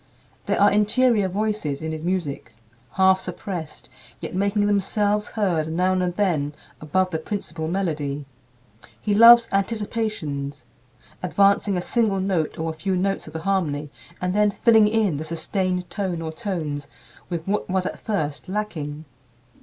There are interior voices in his music, half suppressed, yet making themselves heard now and then above the principal melody. He loves "anticipations" advancing a single note or a few notes of the harmony and then filling in the sustained tone or tones with what was at first lacking.